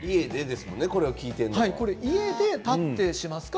これは家で立ってしますか？